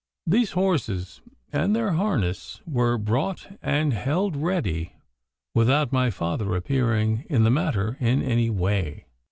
These horses and their harness were bought and held ready without my father appearing in the matter in any way.